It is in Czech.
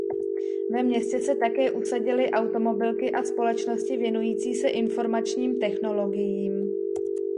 Ve městě se také usadily automobilky a společnosti věnující se informačním technologiím.